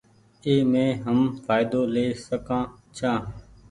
اي مين هم ڦآئدو لي سڪآن ڇآن۔